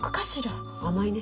甘いね。